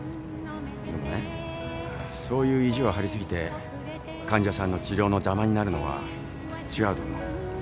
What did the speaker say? でもねそういう意地を張り過ぎて患者さんの治療の邪魔になるのは違うと思う。